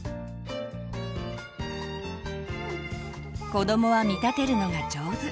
子どもは見立てるのが上手。